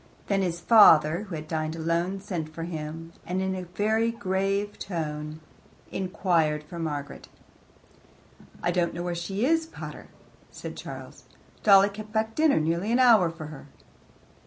Then his father, who had dined alone, sent for him, and in very grave tones inquired for Margaret. "I don't know where she is, pater," said Charles. "Dolly kept back dinner nearly an hour for her."